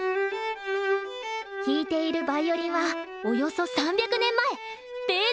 弾いているヴァイオリンはおよそ３００年前べー